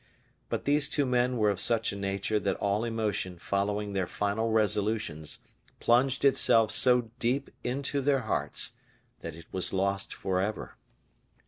But these two men were of such a nature that all emotion following their final resolutions plunged itself so deep into their hearts that it was lost forever.